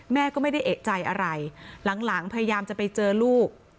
แม่ก็ไม่ได้เอกใจอะไรหลังพยายามจะไปเจอลูก